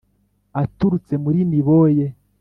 Aturutse muri Niboye